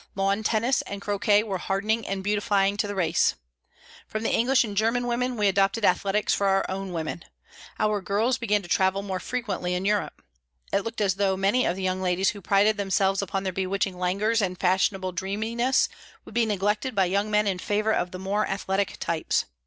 Lawn tennis and croquet were hardening and beautifying the race. From the English and German women we adopted athletics for our own women. Our girls began to travel more frequently in Europe. It looked as though many of the young ladies who prided themselves upon their bewitching languors and fashionable dreaminess, would be neglected by young men in favour of the more athletic types.